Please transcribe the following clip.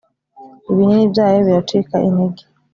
ibinini byayo biracika intege